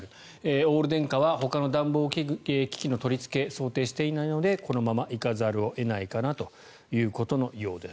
オール電化はほかの暖房機器の取り付けを想定していないのでこのままいかざるを得ないかなということのようです。